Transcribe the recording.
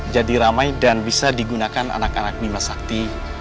jadi ramai dan bisa digunakan anak anak bima sakti